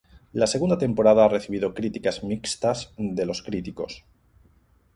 La segunda temporada ha recibido críticas mixtas de los críticos.